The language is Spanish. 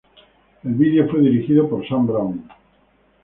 El vídeo fue dirigido por Sam Brown.